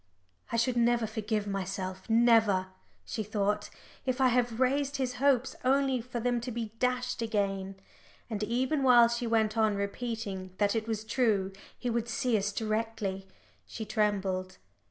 "I should never forgive myself, never," she thought, "if I have raised his hopes only for them to be dashed again;" and even while she went on repeating that it was true, he would see us directly, she trembled.